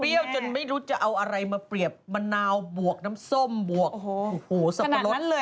เปรี้ยวจนไม่รู้จะเอาอะไรมาเปรียบมะนาวบวกน้ำส้มบวกสะปะรด